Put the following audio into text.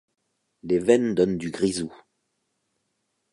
Les veines donnent du grisou.